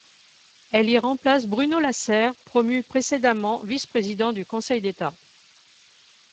Elle y remplace Bruno Lasserre promu précédemment vice-président du Conseil d’État.